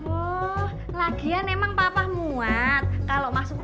oh lagian emang papa muat kalau masuk